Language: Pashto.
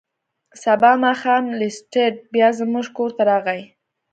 سبا ماښام لیسټرډ بیا زموږ کور ته راغی.